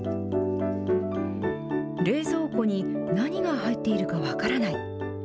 冷蔵庫に何が入っているか分からない。